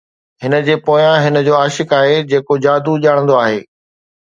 هن جي پويان هن جو عاشق آهي جيڪو جادو ڄاڻندو آهي